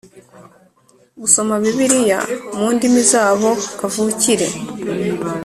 gusoma Bibiliya mu ndimi zabo kavukire